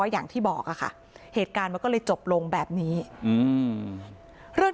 อย่างที่บอกค่ะเหตุการณ์มันก็เลยจบลงแบบนี้เรื่อง